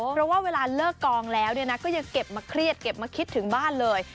เพราะว่าเวลาเลิกกองแล้วก็ยังเก็บมาเครียดเก็บมาคิดถึงบ้านเลย